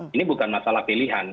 ini bukan masalah pilihan